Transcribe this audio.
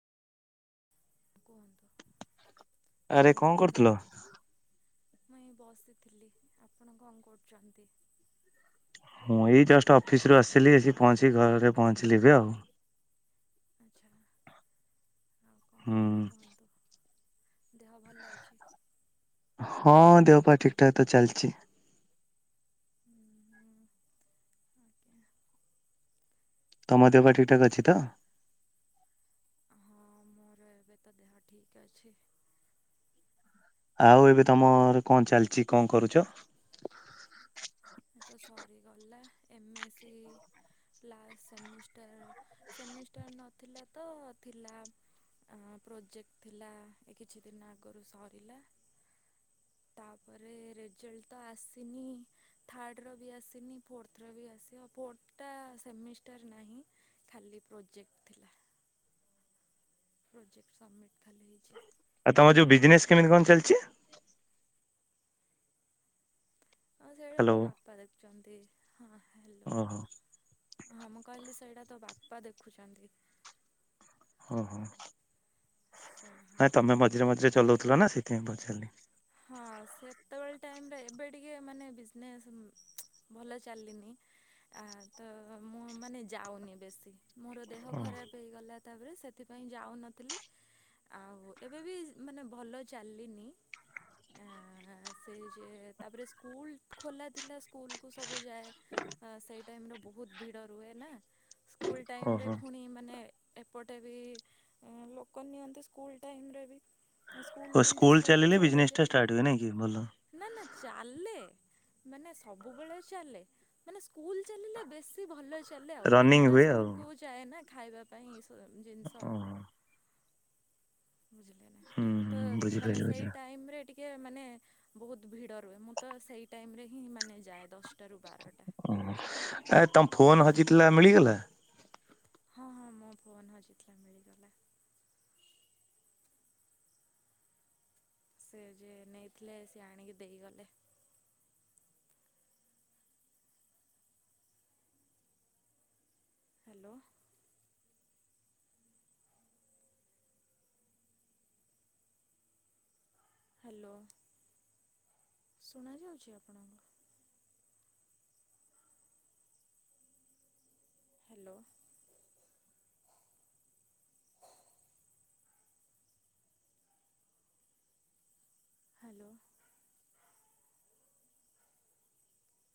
କୁହନ୍ତୁ। ଆରେ କଣ କରୁଥିଲ? ମୁଁ ଏ ବସି ଥିଲି ଆପଣ କଣ କରୁଛନ୍ତି? ମୁଁ ଏଇ ଜଷ୍ଟ ଅଫିସ ରୁ ଆସିଲି ଆସିକି ପହଞ୍ଚିକି ଘରେ ପହଞ୍ଚିଲି ଏବେ ଆଉ। ଆଚ୍ଛା ଆଉ କଣ ହୁଁ। କୁହନ୍ତୁ [inaudible] ଦେହ ଭଲ ଅଛି। ଦେହପାହ ଠିକ୍ ଠାକ୍ ତ ଚାଲିଛି। ହୁଁ ଆଜ୍ଞା ତମ ଦେହ ପା ଠିକଠାକ୍ ଅଛି ତ। [inaudible] ହଁ ମୋର ଏବେ ତ ଦେହ ଠିକ ଅଛି। [inaudible] ଆଉ ଏବେ ତମର କଣ ଚାଲିଛି କଣ କରୁଛ? [inaudible] ଏବେ ସେ ଲାଷ୍ଟ ସେମିଷ୍ଟା ସେମିଷ୍ଟାର ନଥିଲା ତ ଥିଲା ପ୍ରୋଜେକ୍ଟ ଥିଲା ଏ କିଛି ଦିନ ଆଗରୁ ସରିଲା ତାପରେ ରେଜଲଟ ତ ଆସିନି ଥାର୍ଡ଼ର ବି ଆସିନି ଫୋର୍ଥର ବି ଆସି ଆଉ ଫୋର୍ଥଟା ସେମିଷ୍ଟାର ନାହିଁ ଖାଲି ପ୍ରୋଜେକ୍ଟ ଥିଲା। ପ୍ରଜେକ୍ଟ ସମାପ୍ତ ହେଇଛି। ଆଉ ତମର ଯୋଉ ବିଜନେସ୍ କେମିତି କଣ ଚାଲିଛି। ହଁ ସେଇଟା ହ୍ୟାଲୋ ତ ବାପା ଦେଖୁଛନ୍ତି ହଁ ହ୍ୟାଲୋ ଓହୋ ହଁ ମୁଁ କହିଲି ସେଇଟା ତ ବାପା ଦେଖୁଛନ୍ତି। ହ ହୋ। ସେ ହଁ ନାଇଁ ତମେ ମଝିରେ ମଝିରେ ଚଲଉ ଥିଲ ନା ସେଥିପାଇଁ ପଚାରିଲି। ହଁ ସେତେବେଳେ ଟାଇମ ରେ ଏବେ ଟିକେ ମାନେ ବିଜନେସ୍ ଭଲ ଚାଲିନି ଆ ତ ମୁଁ ମାନେ ଯାଉନି ବେଶୀ। ମୋର ଦେହ ଓ ଖରାପ ହେଇଗଲା। ତାପରେ ସେଥିପାଇଁ ଯାଉନଥିଲି ଆଉ ଏବେ ବି ମାନେ ଭଲ ଚାଲିନି। ଆ ସେ ଯେ ତାପରେ ସ୍କୁଲ ଖୋଲା ଥିଲା ସ୍କୁଲ କୁ ସବୁ ବୁ ଯାଏ ସେ ଟାଇମ ରେ ବହୁତ ଭିଡ ରୁହେ ନା। ସ୍କୁଲ୍ ଟାଇମରେ ଓହୋ। ପୁଣି ମାନେ ଏପଟେ ବି ଲୋକ ନିଅନ୍ତି ସ୍କୁଲ ଟାଇମ ରେ ବି ଓ ସ୍କୁଲ ତିନଟା ସ୍କୁଲ କୁ ଚାଲିଲେ ସଉଦା ବିଜନେସ ଟା ଯାଏ। ଷ୍ଟାର୍ଟ ହୁଏ ନାଇଁ କି ଭଲ। ନା ନା ଚାଲେ। ମାନେ ସବୁବେଳେ ଚାଲେ ମାନେ ସ୍କୁଲ ଚାଲିଲେ ବେଶୀ ଭଲ ଚାଲେ ଆଉ ରନିଂ ତିନିଟା ହୁଏ ଆଉ। ସ୍କୁଲ କୁ ଯାଏ ନା। ଖାଇବା ପାଇଁ ଜିନିଷ। [inaudible] ଓହୋ ବୁଝିଲେ ନା ହୁଁ ତ ମାନେ ବୁଝିପାରିଲି ସେଇ ବୁଝିଲି ଟାଇମରେ ଟିକେ ଟିକେ ମାନେ ବହୁତ ଭିଡ ରୁହେ ମୁଁ ତ ସେଇ ଟାଇମ ରେ ହିଁ ମାନେ ଯାଏ ଦଶ ହ ଆ ତମ ଫୋନ୍ ହଜିଥିଲା ମିଳିଗଲା? ହଁ ହଁ ମୋ ଫୋନ ହଜିଥିଲା ମିଳିଗଲା। ସେ ଯେ ନେଇଥିଲେ ସେ ଆଣିକି ଦେଇଗଲେ। ହ୍ୟାଲୋ ହ୍ୟାଲୋ ଶୁଣା ଯାଉଛି ଆପଣଙ୍କୁ? Hello hello